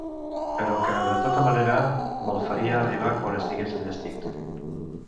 Però que, de tota manera, me’l faria arribar quan estigués enllestit.